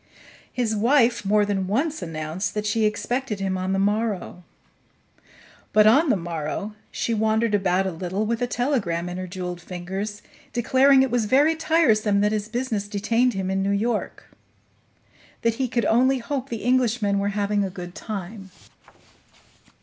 His wife more than once announced that she expected him on the morrow; but on the morrow she wandered about a little, with a telegram in her jeweled fingers, declaring it was very tiresome that his business detained him in New York; that he could only hope the Englishmen were having a good time.